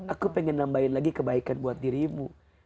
aku pengen nambahin lagi kebaikan buat dirimu